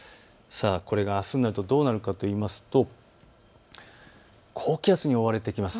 これがあすになるとどうなるかといいますと高気圧に覆われていきます。